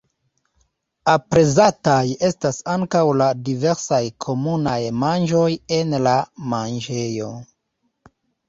Aprezataj estas ankaŭ la diversaj komunaj manĝoj en la manĝejo.